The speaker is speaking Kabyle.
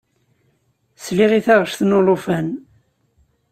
Sliɣ i taɣect n ulufan.